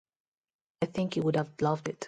I think he would have loved it.